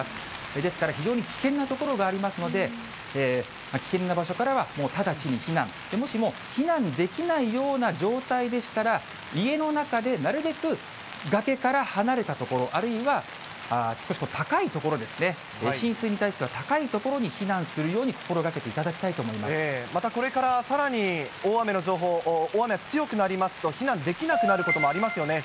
ですから非常に危険な所がありますので、危険な場所からはもう直ちに避難、もしも、避難できないような状態でしたら、家の中で、なるべく崖から離れた所、あるいは少し高い所ですね、浸水に対しては、高い所に避難するように心がけていただきたいとまたこれからさらに、大雨の情報、大雨強くなりますと、避難できなくなることもあります